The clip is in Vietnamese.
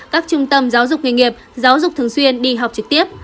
các trung tâm giáo dục nghề nghiệp giáo dục thường xuyên đi học trực tiếp